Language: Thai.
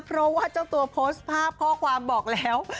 เพราะว่าเจ้าตัวโพสต์ภาพข้อความบอกแล้ว